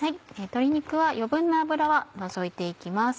鶏肉は余分な脂は除いて行きます。